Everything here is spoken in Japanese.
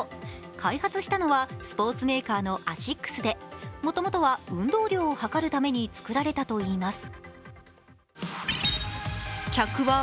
開発したのはスポーツメーカーのアシックスでもともとは運動量を測るために作られたといいます。